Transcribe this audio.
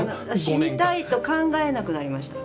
死にたいと考えなくなりました。